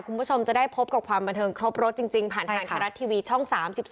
คุณผู้ชมจะได้พบกับความบันเทิงครบรถจริงผ่านทางไทยรัฐทีวีช่อง๓๒